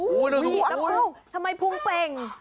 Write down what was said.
โอ้โฮทำไมพุ่งเป่ง